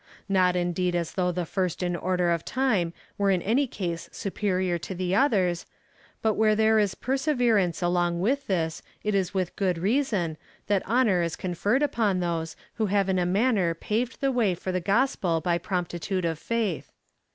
Not indeed as though the first in order of time were in every case superior to the others, but where there is perseverance along with this, it is with good reason, that honour is conferred upon those, who have in a manner paved the way for the gospel by promptitude of faith.